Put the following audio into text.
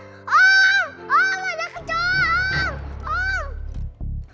om ada kecoa om